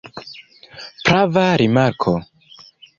Prava rimarko.